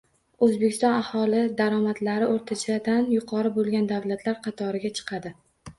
O‘zbekiston aholi daromadlari o‘rtachadan yuqori bo‘lgan davlatlar qatoriga chiqadi